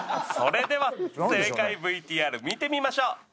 それでは正解ＶＴＲ見てみましょう！